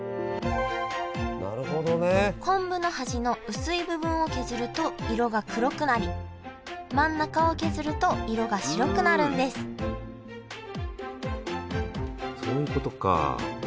昆布の端の薄い部分を削ると色が黒くなり真ん中を削ると色が白くなるんですそういうことか。